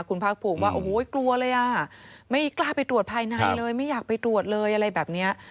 คุณภาคภูมิว่าโอ้โหกลัวเลยอ่ะไม่กล้าไปตรวจภายในเลยไม่อยากไปตรวจเลยอะไรแบบนี้